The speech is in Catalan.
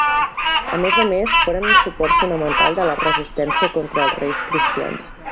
A més a més, foren un suport fonamental de la resistència contra els reis cristians.